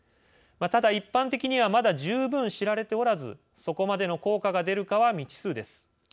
ただ一般的にはまだ十分知られておらずそこまでの効果が出るかは未知数です。